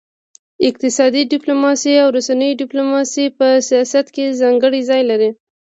اقتصادي ډيپلوماسي او د رسنيو ډيپلوماسي په سیاست کي ځانګړی ځای لري.